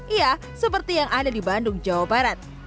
iya seperti yang ada di bandung jawa barat